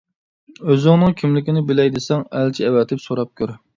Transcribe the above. ئۆزۈڭنىڭ كىملىكىنى بىلەي دېسەڭ، ئەلچى ئەۋەتىپ سوراپ كۆر.